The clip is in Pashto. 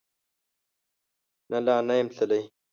نه، لا نه یم تللی